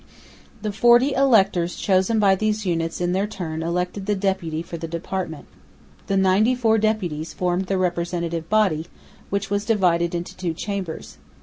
The forty "electors" chosen by these units in their turn elected the deputy for the department. The ninety four deputies formed the Representative Body, which was divided into two Chambers.